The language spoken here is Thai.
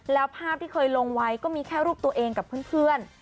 แล้วภาพที่เคยลงไว้ก็มีแค่รูปตัวเองกับเพื่อน